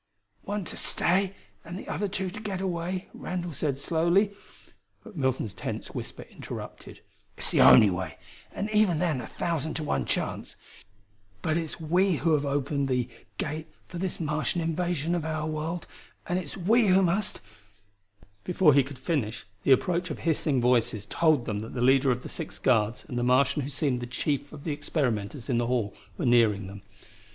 "One to stay and the other two to get away...." Randall said slowly; but Milton's tense whisper interrupted: "It's the only way, and even then a thousand to one chance! But it's we who have opened this gate for the Martian invasion of our world and it's we who must " Before he could finish, the approach of hissing voices told them that the leader of the six guards and the Martian who seemed the chief of the experimenters in the hall were nearing them.